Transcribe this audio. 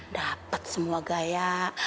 dapet semua gaya